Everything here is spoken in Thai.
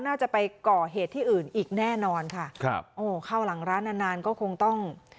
น่าจะไปก่อเหตุที่อื่นอีกแน่นอนค่ะครับโอ้เข้าหลังร้านนานนานก็คงต้อง